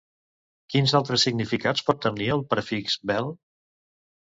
Quins altres significats pot tenir el prefix «bel-»?